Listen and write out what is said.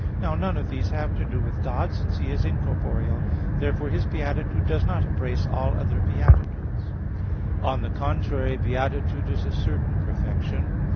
Now none of these have to do with God, since He is incorporeal. Therefore His beatitude does not embrace all other beatitudes. On the contrary, Beatitude is a certain perfection.